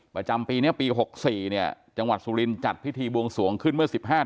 ประจำปีนี้ปี๖๔เนี่ยจังหวัดสุรินจัดพิธีบวงสวงขึ้นเมื่อ๑๕